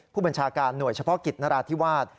ผู้บัญชาการหน่วยเฉพาะกิจนราธิวาส